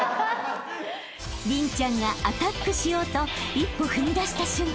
［麟ちゃんがアタックしようと一歩踏みだした瞬間］